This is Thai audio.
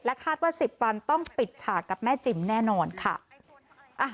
คาดว่า๑๐วันต้องปิดฉากกับแม่จิ๋มแน่นอนค่ะ